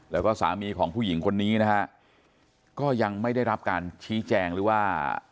แล้วก็สามีของผู้หญิงคนนี้นะฮะก็ยังไม่ได้รับการชี้แจงหรือว่า